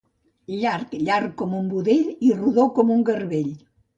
Llarg, llarg com un budell i rodó com un garbell.